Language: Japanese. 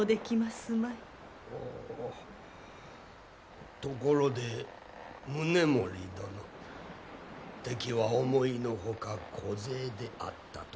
ああところで宗盛殿敵は思いの外小勢であったと聞く。